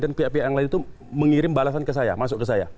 dan pihak pihak yang lain itu mengirim balasan ke saya masuk ke saya